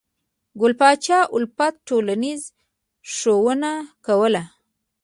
ګل پاچا الفت ټولنیزه ښوونه کوله.